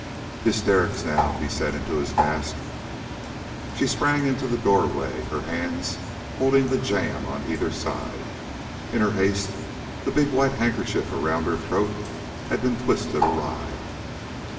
"Hysterics now," he said into his mask. She sprang into the doorway, her hands holding the jamb on either side. In her haste the big white handkerchief around her throat had been twisted awry.